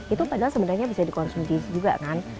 itu padahal sebenarnya bisa dikonsumsi juga kan